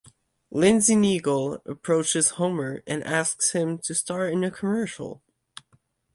Lindsey Naegle approaches Homer and asks him to star in a commercial.